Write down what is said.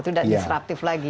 itu udah disruptive lagi